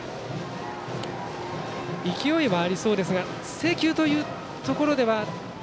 勢いはありそうですが制球というところでは。